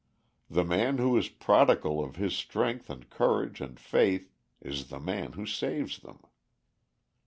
The man who is prodigal of his strength and courage and faith is the man who saves them.